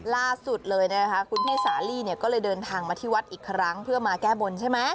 ล่าสุดเลยนะคะคุณพี่สาลีเนี่ยก็เลยเดินทางมาที่วัดอีกครั้งเพื่อมาแก้บนใช่ไหม